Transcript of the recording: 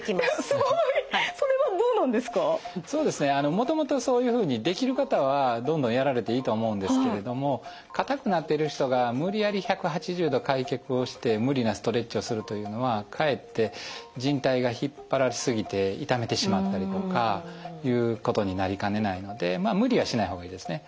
もともとそういうふうにできる方はどんどんやられていいと思うんですけれども硬くなってる人が無理やり１８０度開脚をして無理なストレッチをするというのはかえってじん帯が引っ張られ過ぎて傷めてしまったりとかいうことになりかねないので無理はしない方がいいですね。